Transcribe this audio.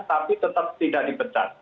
tapi tetap tidak dipecat